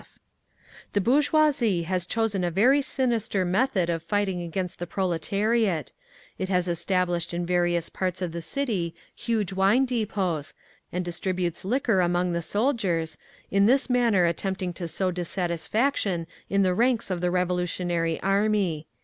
_ The bourgeoisie has chosen a very sinister method of fighting against the proletariat; it has established in various parts of the city huge wine depots, and distributes liquor among the soldiers, in this manner attempting to sow dissatisfaction in the ranks of the Revolutionary army.